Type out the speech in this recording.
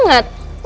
masa gak tau sih